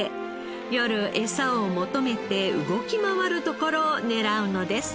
夜エサを求めて動き回るところを狙うのです。